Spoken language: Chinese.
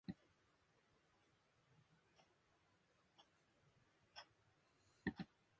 米尼亚克莫尔旺人口变化图示